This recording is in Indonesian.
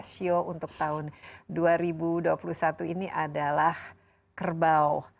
sio untuk tahun dua ribu dua puluh satu ini adalah kerbau